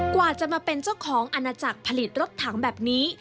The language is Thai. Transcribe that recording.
กว่าจะมาเป็นเจ้าของอาณาจักรผลิตรถถังแบบนี้